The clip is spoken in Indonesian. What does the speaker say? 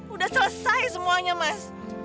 udah selesai semuanya mas